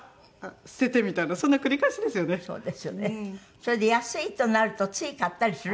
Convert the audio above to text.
それで安いとなるとつい買ったりするじゃない。